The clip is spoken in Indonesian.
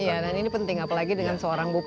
iya dan ini penting apalagi dengan seorang bupati